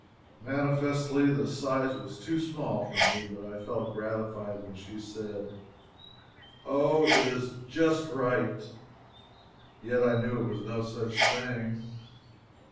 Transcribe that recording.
Manifestly the size was too small for me. But I felt gratified when she said: "Oh, it is just right!" Yet I knew it was no such thing.